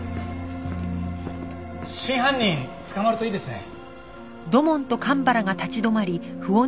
真犯人捕まるといいですね。